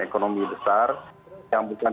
ekonomi besar yang bukan